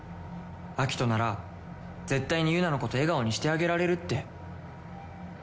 アキトなら絶対にユナのこと笑顔にしてあげられるって。